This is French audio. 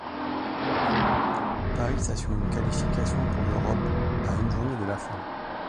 Paris s'assure une qualification pour l'Europe à une journée de la fin.